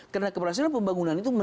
karena keberhasilan pembangunan itu